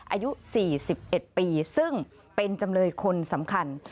อายุ๔๑ปีซึ่งเป็นจำเลยคนสำคัญ